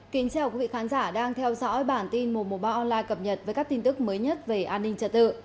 kính chào quý vị khán giả đang theo dõi bản tin một trăm một mươi ba online cập nhật với các tin tức mới nhất về an ninh trật tự